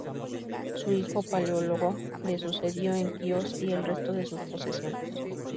Su hijo Paleólogo le sucedió en Quíos y el resto de sus posesiones.